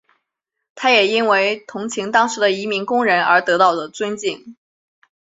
他也因为同情当时的移民工人而得到的尊敬。